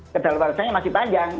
kedaluarsanya masih panjang